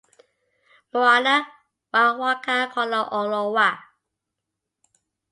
Mwana wa w'aka kolow'olwa.